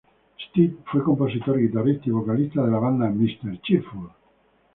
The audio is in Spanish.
Steve fue compositor, guitarrista y vocalista de la banda Mr.Cheerful.